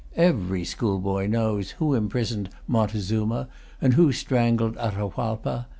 Every schoolboy knows who imprisoned Montezuma, and who strangled Atahualpa.